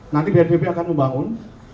nanti pnpb akan membangun